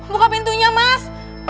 buka pintunya mas